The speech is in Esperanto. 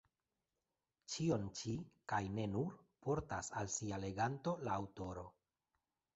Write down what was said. Ĉion ĉi, kaj ne nur, portas al sia leganto la aŭtoro.